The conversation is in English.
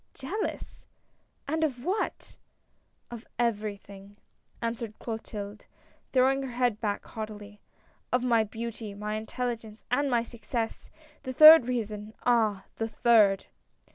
" Jealous ! and of what ?"" Of everything," answered Clotilde, throwing her head back haughtily ;" of my beauty, my intelligence and my success. The third reason, ah ! the third